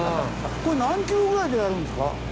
これ何キロぐらいでやるんですか？